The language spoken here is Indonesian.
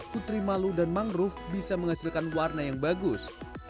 putri malu dan mangrove bisa menghasilkan warna yang bagus